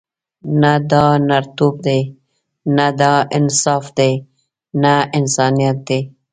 نه دا نرتوب دی، نه دا انصاف دی، نه انسانیت دی.